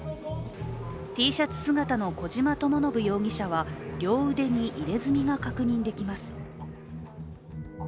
Ｔシャツ姿の小島智信容疑者は両腕に入れ墨が確認できます。